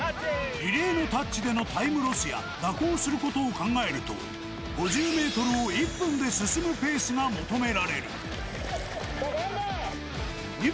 リレーのタッチでのタイムロスや蛇行することを考えると、５０メートルを１分で進むペースが求められる。